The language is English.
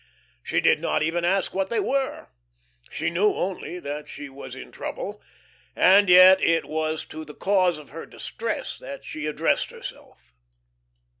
She did not even ask what they were. She knew only that she was in trouble, and yet it was to the cause of her distress that she addressed herself.